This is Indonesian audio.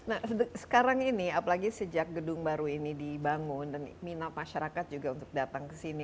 nah sekarang ini apalagi sejak gedung baru ini dibangun dan minat masyarakat juga untuk datang ke sini